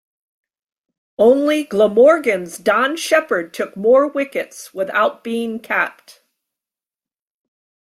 Only Glamorgan's Don Shepherd took more wickets without being capped.